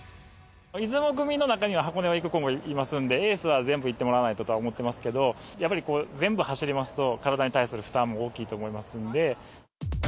出雲組の中には箱根に行く子もいますんで、エースは全部行ってもらわないととは思ってますけど、やっぱり全部走りますと、体に対する負担も大きいと思いますんで。